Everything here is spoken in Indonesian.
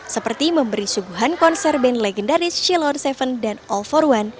seperti memberi suguhan konser band legendaris chillore tujuh dan all for one